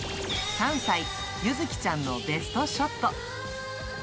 ３歳、結月ちゃんのベストショット。